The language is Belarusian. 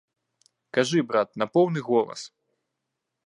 Кажы, брат, на поўны голас!